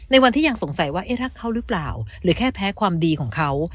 วันที่ยังสงสัยว่าเอ๊ะรักเขาหรือเปล่าหรือแค่แพ้ความดีของเขา